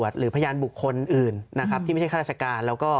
เพราะถ้าเข้าไปอ่านมันจะสนุกมาก